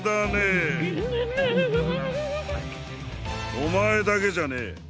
おまえだけじゃねえ。